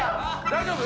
大丈夫？